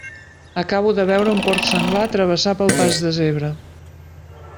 Acabo de veure un porc senglar travessar pel pas de zebra.